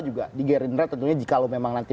juga di gerindra tentunya jika memang nanti